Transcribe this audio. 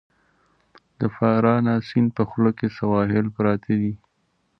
د پارانا سیند په خوله کې سواحل پراته دي.